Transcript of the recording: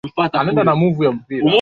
Akiwa na Real Madrid na mataji mawili ya